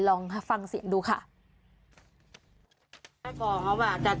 ลองฟังเสียงดูค่ะ